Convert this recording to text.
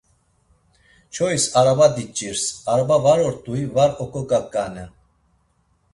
Çois araba diç̌irs, araba var ort̆ui var oǩogaǩanen.